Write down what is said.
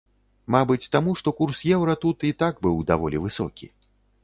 Мабыць, таму, што курс еўра тут і так быў даволі высокі.